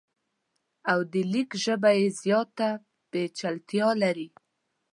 او د لیک ژبه یې زیاته پیچلتیا لري.